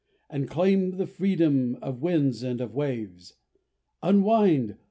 And claim the Freedom of winds and of waves: Unwind!